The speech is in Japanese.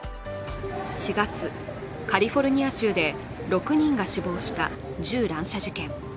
４月、カリフォルニア州で６人が死亡した銃乱射事件。